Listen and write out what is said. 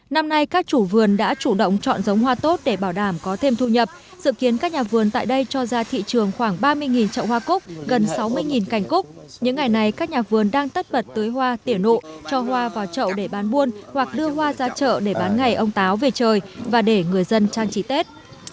năm nay các chủ vườn đã chủ động chọn giống hoa tốt để bảo đảm có thêm thu nhập dự kiến các nhà vườn tại đây cho ra thị trường khoảng ba mươi trậu hoa cúc gần sáu mươi cành cúc những ngày này các nhà vườn đang tất bật tưới hoa tiểu nộ cho hoa vào trậu để bán buôn hoặc đưa hoa ra chợ để bán ngày ông táo về trời và để người dân trang trí tết